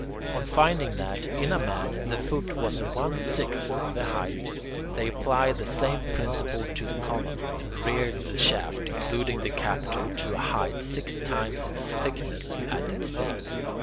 On finding that, in a man, the foot was one sixth of the height, they applied the same principle to the column, and reared the shaft, including the capital, to a height six times its thickness at its base.